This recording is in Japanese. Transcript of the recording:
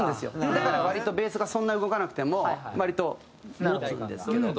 だから割とベースがそんなに動かなくても割と持つんですけど。